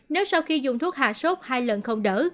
nếu sau khi dùng thuốc hạ sốt hai lần không đỡ